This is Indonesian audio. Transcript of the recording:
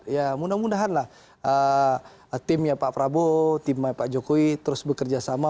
ya mudah mudahan lah timnya pak prabowo tim pak jokowi terus bekerjasama